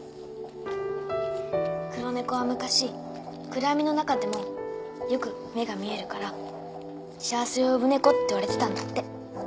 黒猫は昔暗闇の中でもよく目が見えるから幸せを呼ぶ猫っていわれてたんだって。